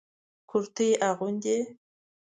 کرتي اغوندئ